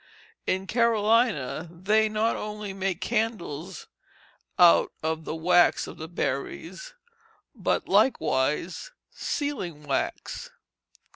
In Carolina they not only make candles out of the wax of the berries, but likewise sealing wax."